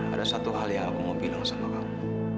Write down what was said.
ada satu hal yang aku mau bilang sama kamu